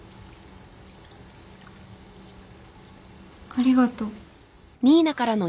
ありがとう。